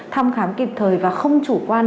thăm khám kịp thời và không chủ quan